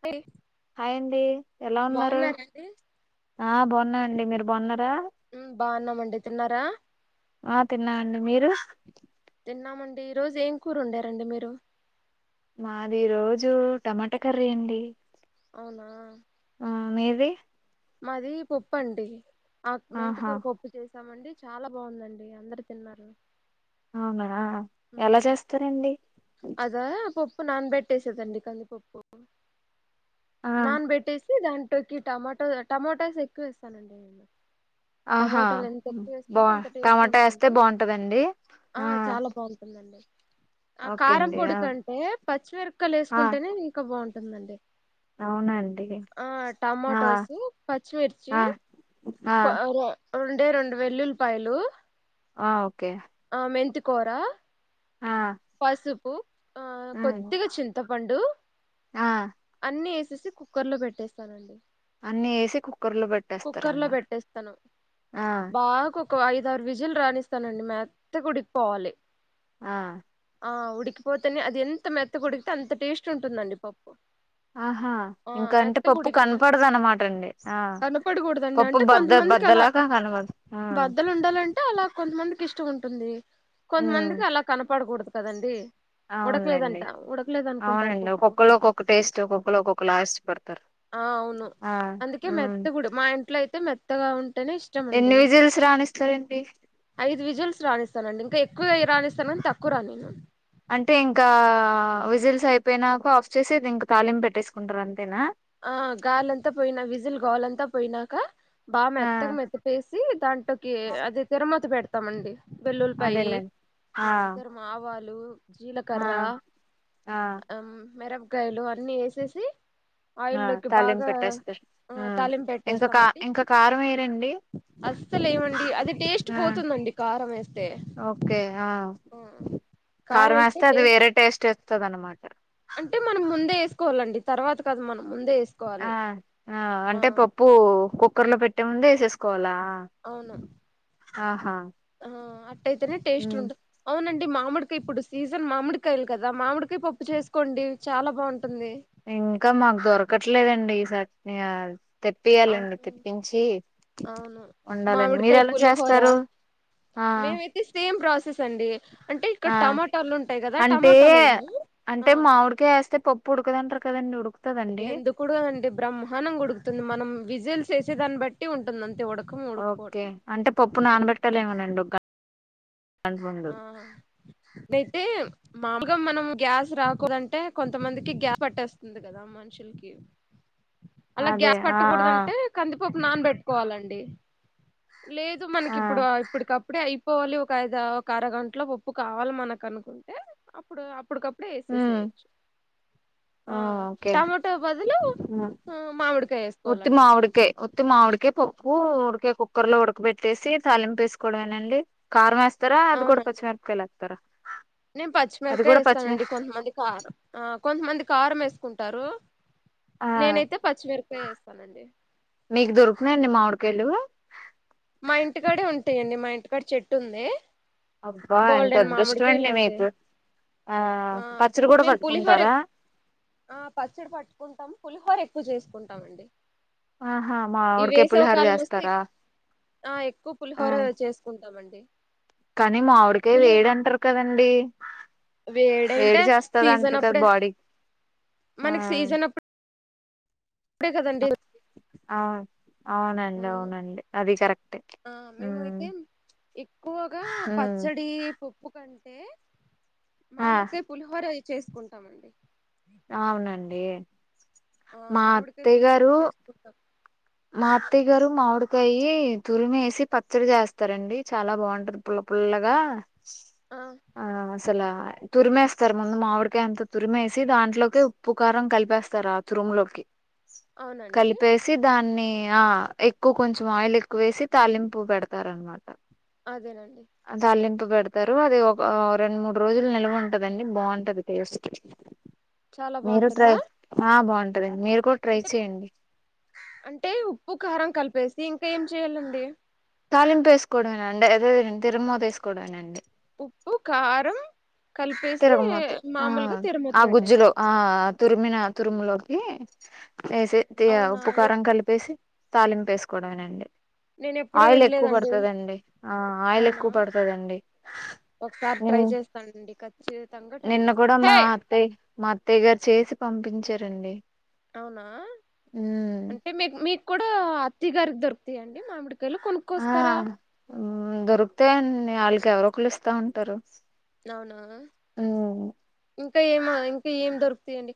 B hi అండి ఎలా ఉన్నారు? అండి ఆ బావున్నా అండి మీరు బావున్నారా? ఉమ్ బావున్నామండి. తిన్నారా? ఆ తిన్నా అండి మీరు? తిన్నామండి ఈ రోజ్ ఏం కూరొండారండి మీరు? మాదిరోజు టమాటా కర్రీ అండి. అవునా ఆ మీది మాది పప్పండి ఆక్ ఆహా మెంతకూర పప్పు చేస్ స్తామండి చాలా బావుందండి అందరు తిన్నారు. అవునా ఎలా ఉమ్ చేస్తారండి ప్పు నానబట్టేసేదండి కందిపప్పు ఆ నానబెట్టెస్ దాంట్లోకి టమాటో టమాటోస్ ఎక్కువేస్తానండి నేను ఆహా టమోటాలు ఎంత ఎక్కువ బా వేసుకుంటే అంత టేస్ట్ టమాటా ఎస్తే ఉంటుంది బావుంటదండి ఆ దండి అ ఓకే కారం అండి ఆ పొడికంటే పచ్చిమిరకయలు ఆ ఎసుకుంటేనే ఇంకా బావుంటుందండి అవునండి ఆ ఆ టమాటోస్ పచ్చిమిర్చి ఆ ఆ ప రె రెండే రెండు వెల్లుల్లిపాయలు ఆ ఓకె మెంతికోరా ఆ పసుపు ఆ ఉమ్ కొద్దిగ చింతపండు ఆ అన్ని ఎసేసి కుక్కర్ లో పెట్టేస్తానండి అన్ని వేసి కుక్కర్ లో కుక్కర్ లో పెట్టేస్తారనమాట పెట్టేస్తను ఆ బాగా కు కొ ఐద ఆరు విజిల్ రానిస్తానండి మెత్త్ గుడికిపోవాలి ఆ ఆ ఉడికిపోతెనె అది ఎంత మెత్తగుడికితే అంత టేస్ట్ ఉంటుందండి పప్పు ఆహా ఆ ఇంక అంటే మెత్తగా పప్పు ఉడికిన కనపడదు అనమాట అండి ఆ పప్పు బద్ద బద్ద ల బద్దలుండాలంటే అలా కొంతమందికి ఇష్టం ఉన్ టుంది కొంతమందికి అలా కనపడకూడదు కదండి ఆవున్ లెండి ఉడకలేదంట ఉడకలేదు అనుకుంటారు అవునండి పప్పు ఒక్కొక్కళ్ళు ఒక్కొక్క టేస్ట్ ఒక్కొక్కళ్ళు ఒక్కొక్క లా ఇష్ట పడతారు ఆ అవును అందుకె మెత్తగుడు మా ఇంట్లో అయితే మెత్తగా ఉన్ టెనే ఇష్టం ఎన్ని అండి విజిల్స్ రానిస్తారండి ఐదు విజిల్స్ రానిస్తానండి ఇంక ఎక్కువె రానిస్తాన్ గన్ తక్కువ రానియను అంటే ఇంకా విజిల్స్ అయిపోయినాక ఆఫ్ చేసి ది ఇంక తాలిం పెట్టేసుకుంటరు అంతేనా ఆ గాలంతా పోయినా విజిల్ గాలంతా పోయినాక బా ఆ మెత్తగ మెత్తిపేసి దాంట్లోకి అది తెరమత్ పెడ్ తమండి వేల్లులిపాయి అదేలేండి ఆ తరము ఆవాలు ఆ జీలకర్ర ఆ మిరపకాయలు అన్నీ ఎసేసి ఆ ఆయిల్లోకి తాలింపు బాగా పెట్టేస్తారు ఆ ఉమ్ తాలిం ఇంకా కా పెట్టేస్తామండి ఇంకా కారం వేయరండి అస్సలేయమండి అది టేస్ట్ ఆ పోతుందండి కారం ఎస్తే ఆ కారం ఎస్తే వేస్తే అది టేస్ట్ వేరే వస్తది అనమాట అంటే మనం ముందే ఏస్ కోవాలండి తర్వాత కాదు మనం ముందే ఏస్ ఆ ఆ అంటే పప్పు కుక్కర్ లో పెట్టే ముందే ఎసేసుకోవాలా అవును అ ఆహా ఆ అట్టయితేనే టేస్ట్ ఉమ్. ఉంటద్ అవునండి డి మామిడికాయ్ ఇప్పుడు సీజన్ మామిడికాయలు కదా మామిడికాయ్ పప్పు చేసుకోండి చాలా బావుం ఇంకా మాకు దొరకట్లేదండి ఈ సట్ని ఆ తెప్పియాలండి అవును తెప్పించి అవును వొండాలండి మీరు మామిడికాయ ఎలా పులిహోర చేస్తారు ఆ మేమైతే సేమ్ ప్రాసెస్ అండి అంటే ఇక్కడ ఆ టమాటాలు ఉంటాయి కదా అంటే టమాటాలు ఏమో అంటె ఆ మామిడికాయ్ ఎస్తే పప్పు ఉడకదంటరు కదండి ఉడుక్ ఎందుకుడకదండి అంటే బ్రహ్మాండం గుడుకుతుంది మనం విజిల్స్ ఎసే దాన్ని బట్టి ఉంటుందం ఓకే అంటె పప్పు నానబెట్టలేమోనండి ఒ గ అండ్లుండదు అంటే మామూల్గా మనం గ్యాస్ రాకూదంటే కొంతమందికి గ్యాస్ పట్టేస్తుంది కదా మనుషుల్కి అలా అదే గ్యాస్ ఆ ఆ పట్టుకూడదంటే కంది పప్ నాన్ బెట్కోవాలండి లేదు ఆ మనకిప్పుడు ఇప్పడికప్పుడే అయి పోవాలి ఒక ఐదా ఒక అరగంట్లో ఉప్పు కావాల్ మనక్ అన్కుంటే అప్పుడు అప్పడ్కప్ డె ఉమ్, ఏసేసెయ్యచ్చు ఆ టమాటో బదులు ఉమ్. ఆ మామిడిక ఉత్తి మావిడికయ్ ఉత్తి మావిడికయ్ పప్పూ కె కుక్కర్ లో ఉడకబెట్టేసి తాలింపు ఏస్కోడమేనండి కారం ఏస్ తరా అవి కుడ పచ్చి మిర్పకాయల్ ఏత్తరా నేన్ పచ్చిమిర్కాయ్ ఏస్తానండి కొంతమంది కారం ఆ కొంతమందిక్ కారం ఏస్కుంటారు. ఆ నేనైతే పచ్చిమిర్పకాయ్ ఏస్తానండి. మీకు దొరుకుతున్నాయండి మామిడికాయలు మా ఇంటికాడే ఉంటయండి మా ఇంటికాడ చెట్టుంది. అబ్బా ఎంత బోల్డన్ అదృష్టం అండి మామిడికాయలుంటే మీకు ఆ పచ్చడి కూడా మేం పులిహోర్ పట్టుకుంటారా ఆ పచ్చడి పట్కుంటం పులిహోరె క్కు జేస్కుంటామండి. ఆహా ఈ మామిడికాయ వేసవి పులిహోర కాలం ఒస్తే చేస్తారా ఆ ఎక్కువ్ పులిహోర చేస్కుం టామండి. కాని మావిడికాయ వేడంటర్ కదండి. వేడంటే వేడి చేస్తద్ సీజన్ అంటర్ కదా అప్పుడే బాడీ ఆ ఇప్పుడే కదండి ఔనండి అవును. ఔనండి అదీ కరెక్టే ఆ మేము మ్ అయితే ఎక్కువగా పచ్చడీ, పప్పు కంటే ఆ మామిడికాయ్ పులిహోర అయి చేస్కుంటామండి. అవునండి. ఆ మా మామిడికాయ్ అత్తయ్య పులిహోర గారు చేస్కుంటం. మా అత్తయ్య గారు మావిడికాయ్యి తురుమేసి పచ్చడి చేస్తరండి చాలా బాగుంటది పుల్ల పుల్లగా ఆ అసలా తురుమేస్తర్ ముందు మామిడికాయ్ అంత తుర్మేసి దాంట్లోకి ఉప్పు, కారం కల్పేస్తర్ ఆ తురుములోకి అవునండి. అన్నీ ఆ ఎక్కో కొంచం ఆయిల్ ఎక్కువేసి తళింపు పెడతార్ అన్మా అదేనండి. పు పెడ్తరు అది ఒక రెండ్ మూడ్ రోజుల్ నిలువుంటదండి బావుంటది టేస్ట్కి చాలా మీరు ట్రై బాగుంటుందా ఆ బావుంటదన్ మీరు కూడ్ ట్రై చేయండి. ట్టే ఉప్పు కారం కల్పేసి ఇంకేం చేయాలండి? తాలింప్ ఏస్కోడమే నండి అదే తిరుము తీస్కోడమే నండి ఉప్పు, కారం కలిపేసి తిరగమోత్తే ఆ మామూలుగా తిరుమతి అ గుజ్జులో పెట్టేస్తారు ఆ తుర్మిన తుర్ములోకి ఏసి తి ఆ అవునా ఉప్పు, కారం ఎప్- కల్పేస్ తాలింప్ ఏస్కోడమేనండి. నేను ఎప్పుడు ఆయిల్ ఎక్కు వినలేదండి పడ్తదండి ఆ ఆయిల్ ఎక్కు పడ్తదండి. ఒక్సార్ ట్రై చేస్తానండి క నిన్న కుడా మా అత్తయ్ మా అత్తయ్ గార్ చేసి పంపించారండి. అవునా ఉమ్ అంటే మీక్ మీక్ కుడా అత్తి గారిక్ దొర్కుతయండి మామిడి ఆ దొరుక్తయం ఆల్క్ ఎవరో ఒకల్ ఇస్తా ఉంటరు. నవునా ఇంకా ఏమ ఇంక ఏం దొరుక్తయండి?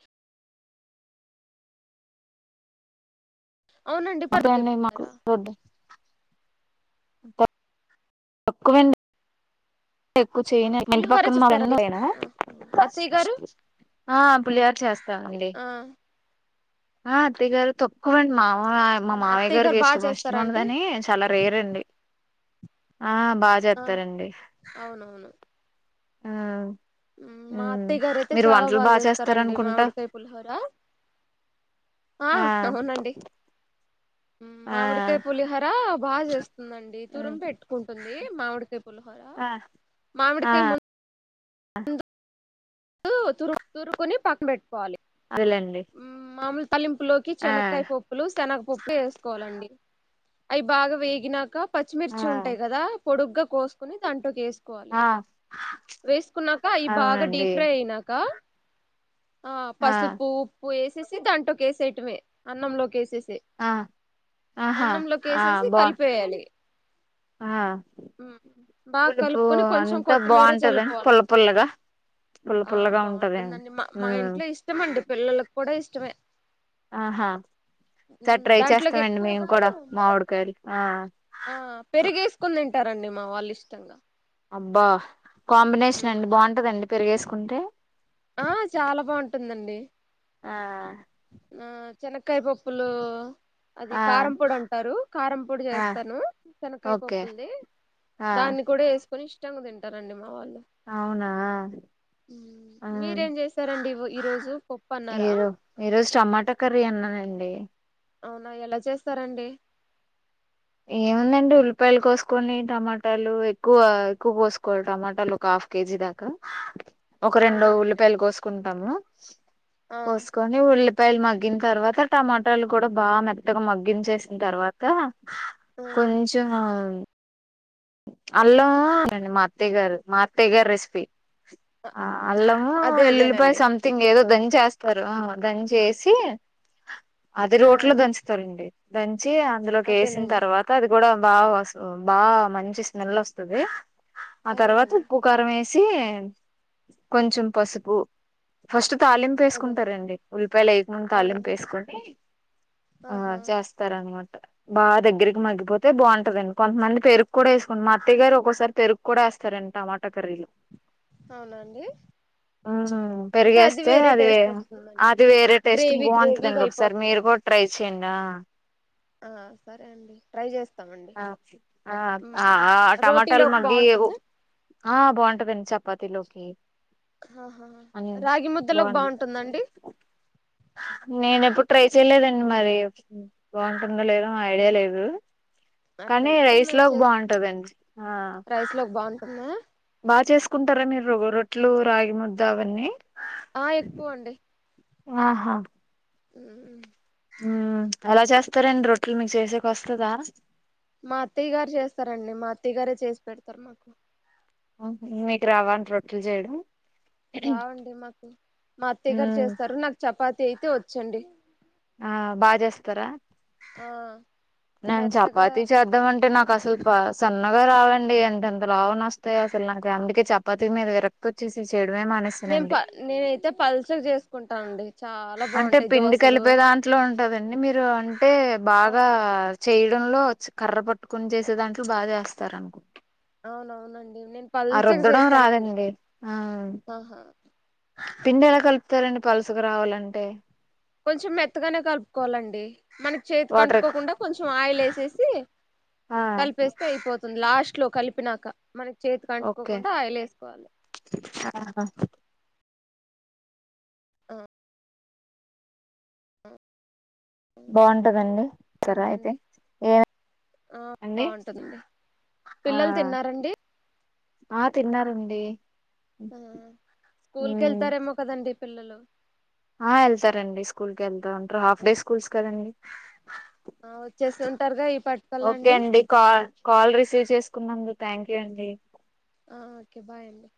అవునండి అదే అండి మాకు పడకతారా [unintelligible] [inaudible] ఎక్కు చేయనే ఇంటి పులిహోర పక్కన మా ఫ్రెండ్ చేస్తారండి నువ్వేనా ఆహా అత్తయ్య గారు ఆ పులిహోర చేస్తా అండి. ఆ ఆ తిగల్ తొక్కువన్ మా మా మావయ్య అత్తయ్య గారు గారికి బాగా [unintelligible] చేస్తారా అండి ఇష్టముండదని చాల రేరండి ఆ బా ఆ చేత్తరండి అవునవును ఆ మా మ్మ్ అత్తయ్యగారైతే మీరు చాలా వంటలు బాగా చేస్తారండి చేస్తారనుకుంటా మామిడికాయ్ పులిహోర ఆ అవునండి. ఆ మామిడికాయ్ పులిహర బాగా చేస్తుందండి ఉమ్, తురుమ్ పెట్టుకుంటుం ఏ మామిడికాయ పులిహార మామిడికాయ ముందు అ తు తురు తురుకుని పక్కన పెట్టుకోవాలి అదేలేండి ఊ మాములు తల్లింపులోకి ఆ శనకాయ పప్పులు శనగపప్పులు వేసుకోవాలండి అవి బాగా వేగినాక ఆ పచ్చిమిర్చి ఉంటాయి కదా పొడుగ్గా కోసుకుని దాంట్లోకిసుకు కోవాలి ఆ వేసుకున్నాక అవి బాగా అవునండి డీప్ అ కా ఆ పసుపు పు వేసేసి దాంట్లోకిసేయటమే అన్నంలోకి వేసేసి ఆ ఆహా ఆ అన్నంలోకేసేసి బా కలిపేయాలి ఆ ఉమ్, బాగా పులుపు కలుపుకొని కొంచెం అంతా కొత్తిమీర బాగుంటదండి పుల చల్లుకోవాలండి పుల్లగా పుల్ల ఆ పుల్లగా ఉంటదండి బాగుంటుందండి మా మా మ్మ్ ఇంట్లో ఇష్టం అండి పిల్లలకు కూడా ఇష్టమే ఆహా సర్ ఉమ్, ట్రై దాంట్లోకి చేస్తామండి మేము ఎక్కువగా కూడా మామిడికాయలు ఆ ఆ పెరిగేసుకుని తింటారండి మా వాళ్ళు ఇష్టంగా అబ్బా కాంబినేషన్ ఉమ్, అండి బాగుంటదండి పెరిగేసుకుంటే ఆ చాలా బాగుంటుందండి ఆ ఆ శనకాయ పప్పులు అది ఆ కారంపొడి అంటారు కారంపొడి ఆ చేస్తాను శనకాయ ఓకే పప్పుల్ది ఆ దాన్ని కూడా వేసుకొని ఇష్టంగా తింటారండి మా వాళ్ళు అవునా అ మీరేం చేసారండి ఈ రోజు పప్పు అన్నారా ఏదో ఈ రోజు టమాటక్ కరీ అన్నానండి అవునా ఎలా చేస్తారండి ఏముందండి ఉల్లిపాయలు కోసుకొని టమాటాలు ఎక్కువ ఎక్కువ కోసుకోవాలి టమాటాలు కా హఫ్ కేజి దాకా ఒక రెండు అదేనండి ఉల్లిపాయలు కోసుకుంటాము ఆ కోసుకొని ఉల్లి పాయల్ మగ్గిన తర్వాత టమాటాలు కూడా బాగా మెత్తగా మగ్గించేసిన తర్వాత ఆ కొంచెము ఆ అల్లము [unintelligible] మా అత్తయ్య గారు మా అత్తయ్య గారి రెసిపీ ఆ అల్లము అదే వెల్లులిపాయి అదేనండి సంథింగ్ ఏదో దంచి చేస్తారు దంచి ఏసి అది ఆ రోట్లో దంచుతారండి దంచి అందులోకి వేసిన అదేనండి తర్వాత అది కూడా బా వసు బాగా మంచి స్మెల్ వస్తది ఆ తర్వాత అదేనండి ఉప్పు కారం వేసి సీ కొంచెం పసుపు ఫస్ట్ అదేనండి తాలింపేసుకుంటారండి ఉల్లిపాయలు లేకముందు అదే తాలింపు వేసుకుని ఆ ఆహా చేస్తార అనమాట బాగా దగ్గరికి మగ్గిపోతే బాగుంటదండి కొంతమంది పేరు కూడా వేసుకోండి మా అత్తయ్య గారు ఒక్కోసారి పెరుగు కూడా వేస్తారండి టమాటా కర్రీలో అవునా అండి ఉ అంటే పెరిగేస్తే వేరే అది టేస్ట్ వస్తుందండి అది వేరే టేస్ట్ గ్రేవీ గ్రేవీగా బాగుంటదండి ఒకసారి మీరు అయిపోతుందండి కూడా ట్రై చేయండి ఆ ఆ సరే అండి ట్రై చేస్ ఆ ఆ ఆ ఆ టమాటల్ రోటీలోకి మగ్గి బాగుంటుందా ఆ బాగుంటదండి చపాతి లోకి ఆహా రాగి ముద్దలోకి బాగుంటుంద అండి నేనేప్పుడు ట్రై చేయలేదండి మరి బాగుంటుందా లేద ఐడియా లేదు కానీ అట్లయితే రైస్ మేము లోకి చేస్ బాగుంటదండి ఆ రైస్ లోకి బాగుంటుందా ఆ చేసుకుంటార్ అండి రో రొట్లు రాగి ముద్ద అవన్నీ ఆ ఎక్కువ అండి ఆహా ఊ ఎలా చేస్తారండి రొట్లు మీకు చేసేకొస్తదా మా అత్తయిగారే చేస్తారండి మా అత్తయ్య గారే చేసి పెడతారు మాకు ఉ హు మీకు రావా అంట్ రొట్లు చేయడం రావండి మాకు మా అత్తయ్య గారు ఉమ్ చేస్తారు నాకు చపాతి అయితే వచ్చండి ఆ బాగా చేస్తారా ఆ నేను మెత్తగా చపాతి చేద్దాం అంటే నాకు అసలు ప సన్ అవే రావండి ఎంత ఎంత లావ్ నొస్తాయో అసలు నాకు అందుకే చపాతి మీద విరక్తి వచ్చేసేసి నేను ప నేనైతే పల్చగా చేసుకుంటానండి చాలా అంటే బాగుంటాయి పిండి దోశలు కలిపే దాంట్లో ఉంటదండి మీరు అంటే బాగా అవును చేయడంలో కర్ర పట్టుకొని చేసే దాంట్లో బాగా చేస్తారు అనుకుం అవునవునండి నేను పల్చగ రుద్దడం చేస్తానండి రాదండి ఆ పిండి ఎలా కలుపుతారండి పల్సగా రావాలంటే కొంచెం మెత్తగానే కలుపుకోవాలండి మనకి చేతికి వాటర్ ఎక్కువ అంటుకోకుండా కొంచెం ఆయిల్ వేసేసి ఆ కలిపేస్తే అయిపోతుం లాస్ట్ లో కలిపినాక మనకి చేతికి ఓకే అంటుకోకుండా ఆయిలేసుకోవాలి ఆ బాగుంటందండిస్తారా అయితే ఏంటండి ఆ అండి బాగుంటుందండి ఆ పిల్లలు తిన్నారండి ఆ తిన్నారండి ఆ స్కూల్ కి మ్మ్ వెళ్తారేమో కదండి పిల్లలు ఆ వెళ్తారండి స్కూల్ కి ఎల్తా ఉంటారు హాఫ్ డే స్కూల్స్ కదండి వచ్చేసున్ ఓకే అండి కా కాల్ రిసీవ్ చేసుకున్నాందుకు థ్యాంక్ యూ అండి ఆ ఓకే బాయ్ అండి